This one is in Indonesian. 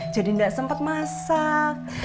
jadi gak sempet masak